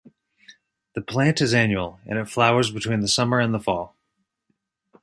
The plant is annual and it flowers between the summer and the fall.